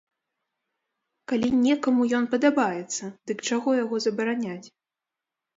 Калі некаму ён падабаецца, дык чаго яго забараняць?